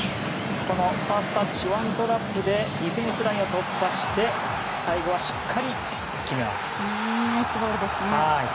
このファーストタッチはワントラップでディフェンスラインを突破して最後はしっかり決めます。